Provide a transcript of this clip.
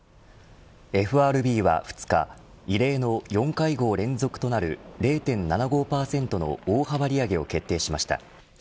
ＦＲＢは２日異例の４会合連続となる０．７５％の大幅利上げを決定しました。